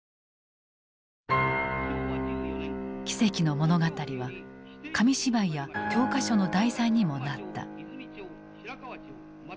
奇跡の物語は紙芝居や教科書の題材にもなった。